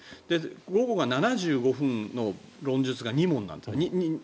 午後が７５分の論述が２問です。